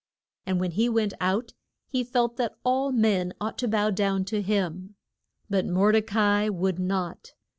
And when he went out he felt that all men ought to bow down to him. But Mor de ca i would not.